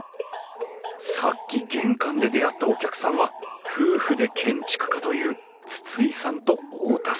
さっき玄関で出会ったお客さんは夫婦で建築家という筒井さんと太田さん。